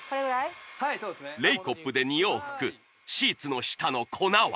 レイコップで２往復シーツの下の粉は？